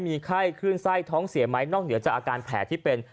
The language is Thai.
มีไข้ขึ้นไส้ท้องเสียไหมนอกเหนือจากอาการแผลที่เป็น